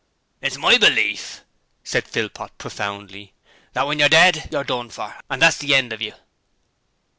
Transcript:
'It's my belief,' said Philpot, profoundly, 'that when you're dead, you're done for. That's the end of you.'